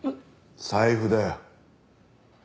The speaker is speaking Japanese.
財布だよ。